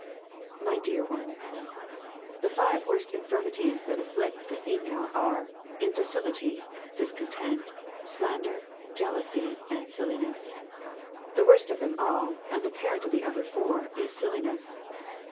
6 My Dear One, "The five worst infirmities that afflict the female are indocility, discontent, slander, jealousy, and silliness. The worst of them all, and the parent of the other four, is silliness.